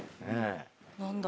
何だ？